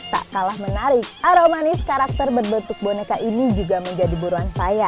tak kalah menarik aromanis karakter berbentuk boneka ini juga menjadi buruan saya